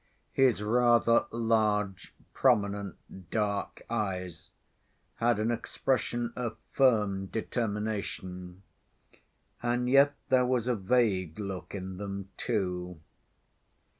His rather large, prominent, dark eyes had an expression of firm determination, and yet there was a vague look in them, too.